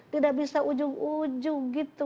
tidak bisa ujung ujung